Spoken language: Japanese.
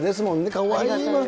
かわいいわ。